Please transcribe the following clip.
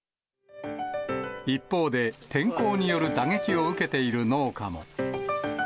一方で、天候による打撃を受けている農家も。